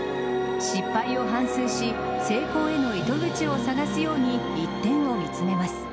失敗を反すうし成功への糸口を探すように一点を見つめます。